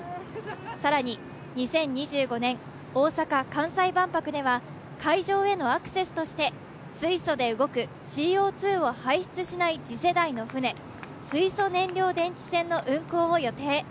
更に２０２５年、大阪・関西万博では会場へのアクセスとして水素で動くＣＯ２を排出しない次世代の船、水素燃料電池船の運航を予定。